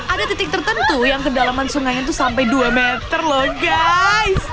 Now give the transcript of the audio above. ada titik tertentu yang kedalaman sungainya itu sampai dua meter loh guy